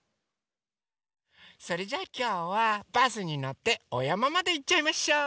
それじゃきょうはバスにのっておやままでいっちゃいましょう。